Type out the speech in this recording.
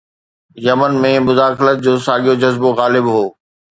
Yemen ۾ مداخلت جو ساڳيو جذبو غالب هو.